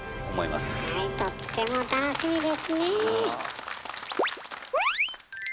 はいとっても楽しみですね。